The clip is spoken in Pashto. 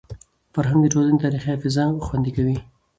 فرهنګ د ټولني تاریخي حافظه خوندي کوي.